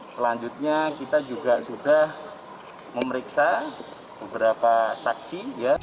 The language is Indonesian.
selanjutnya kita juga sudah memeriksa beberapa saksi